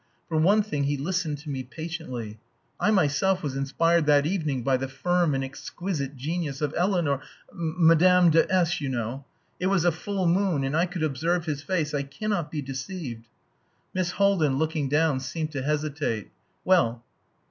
For one thing he listened to me patiently. I myself was inspired that evening by the firm and exquisite genius of Eleanor Madame de S , you know. It was a full moon and I could observe his face. I cannot be deceived...." Miss Haldin, looking down, seemed to hesitate. "Well!